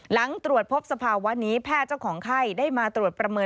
หลังตรวจพบสภาวะนี้แพทย์เจ้าของไข้ได้มาตรวจประเมิน